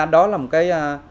đó là một cái